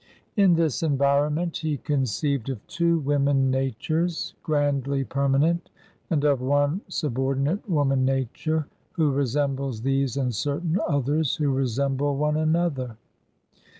In this environment he conceived of two women natures, grandly permanent, and of one subordinate woman nature, who resembles these and certain others who resemble one another.